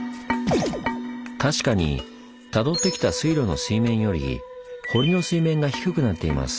確かにたどってきた水路の水面より堀の水面が低くなっています。